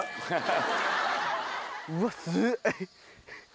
うわすっ。